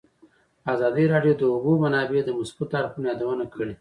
ازادي راډیو د د اوبو منابع د مثبتو اړخونو یادونه کړې.